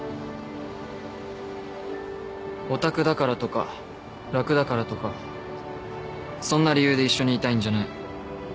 ヲタクだからとか楽だからとかそんな理由で一緒にいたいんじゃない。